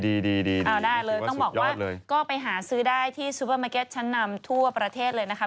เอาได้เลยต้องบอกว่าก็ไปหาซื้อได้ที่ซูเปอร์มาร์เก็ตชั้นนำทั่วประเทศเลยนะคะ